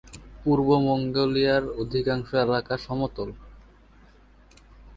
পূর্ব মঙ্গোলিয়ার অধিকাংশ এলাকা সমতল।